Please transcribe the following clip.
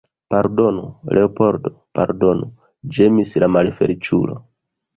Pardonu, Leopoldo, pardonu, ĝemis la malfeliĉulo.